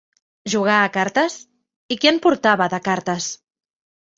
Jugar a cartes? I qui en portava de cartes